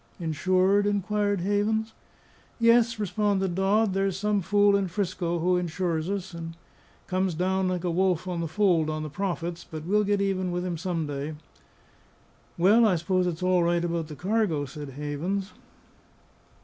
"Insured?" inquired Havens. "Yes," responded Dodd. "There's some fool in 'Frisco who insures us, and comes down like a wolf on the fold on the profits; but we'll get even with him some day." "Well, I suppose it's all right about the cargo," said Havens.